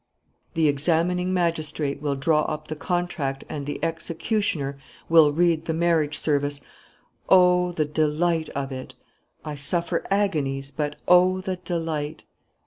"The examining magistrate will draw up the contract and the executioner will read the marriage service. Oh, the delight of it! I suffer agonies but oh, the delight!